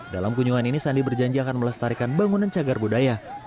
dalam kunjungan ini sandi berjanji akan melestarikan bangunan cagar budaya